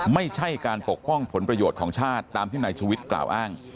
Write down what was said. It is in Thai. ไม่ใช่การปกป้องผลประโยชน์ของชาติตามที่นายชุวิตกล่าวอ้าง